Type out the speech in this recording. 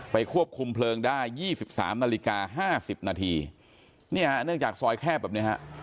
ไปควบคุมเพลิงได้ยี่สิบสามนาฬิกาห้าสิบนาทีเนี่ยเนื่องจากซอยแคบแบบเนี้ยฮะ